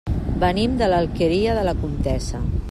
Venim de l'Alqueria de la Comtessa.